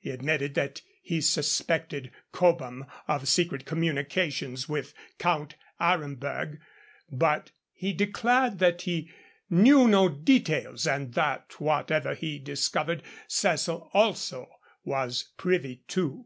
He admitted that he suspected Cobham of secret communications with Count Aremberg, but he declared that he knew no details, and that whatever he discovered, Cecil also was privy to.